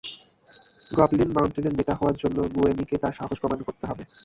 Goblin মাউন্টেনের নেতা হওয়ার জন্য গুয়েনিকে তার সাহস প্রমাণ করতে হবে।